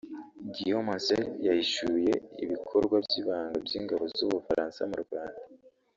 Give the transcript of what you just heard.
Guillaume Ancel yahishuye ibikorwa by’ibanga by’ingabo z’u Bufaransa mu Rwanda